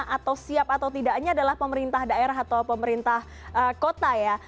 atau siap atau tidaknya adalah pemerintah daerah atau pemerintah kota ya